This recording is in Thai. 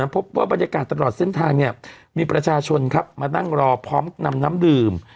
พบว่าบรรยากาศตลอดเส้นทางมีประชาชนครับมานั่งรอพร้อมนำน้ำดื่ม